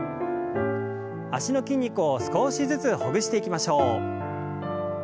脚の筋肉を少しずつほぐしていきましょう。